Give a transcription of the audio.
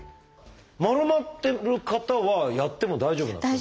丸まってる方はやっても大丈夫なんですか？